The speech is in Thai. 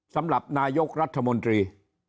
สำหรับนายกรัฐมนตรี